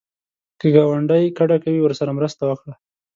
که ګاونډی کډه کوي، ورسره مرسته وکړه